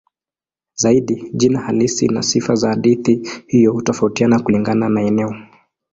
Zaidi jina halisi na sifa za hadithi hiyo hutofautiana kulingana na eneo.